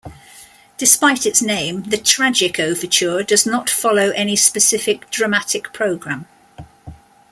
Despite its name, the "Tragic Overture" does not follow any specific dramatic program.